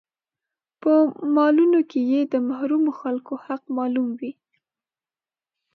په مالونو کې يې د محرومو خلکو حق معلوم وي.